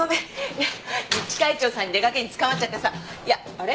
いや自治会長さんに出がけにつかまっちゃってさ。いやあれ？